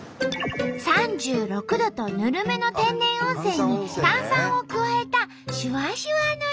３６℃とぬるめの天然温泉に炭酸を加えたしゅわしゅわの湯！